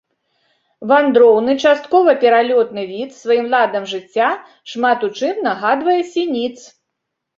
Вандроўны, часткова пералётны від, сваім ладам жыцця шмат у чым нагадвае сініц.